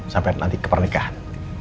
sampai nanti ke pernikahan